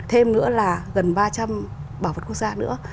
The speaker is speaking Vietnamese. thêm nữa là gần ba trăm linh bảo vật quốc gia nữa